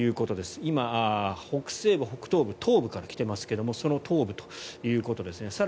今、北西部、北東部、東部から来ていますけれどその東部ということですね。